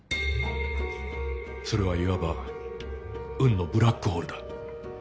それはいわば運のブラックホールだ。